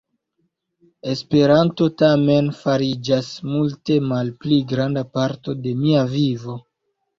Esperanto, tamen, fariĝas multe malpli granda parto de mia vivo.